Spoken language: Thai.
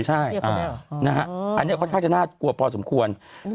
ใช่อันนี้ค่อนข้างจะน่ากลัวพอสมควร